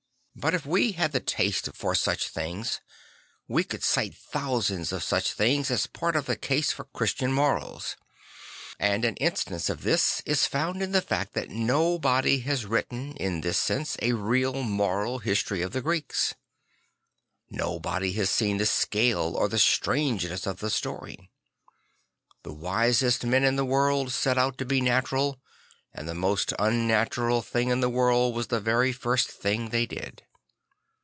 But if we had the taste for such things, we could cite thousands of such things as part of the case for Christian morals. And an instance of this is found in the fact that nobody has written, in this sense, a real moral history of the Greeks. Nobody has seen the scale or the strangeness of the story. The wisest men in the world set out to be natural; and the most unnatural thing in the world was the very first thing they did.